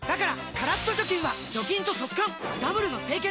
カラッと除菌は除菌と速乾ダブルの清潔！